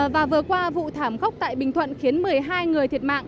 và vừa qua vụ thảm khốc tại bình thuận khiến một mươi hai người chết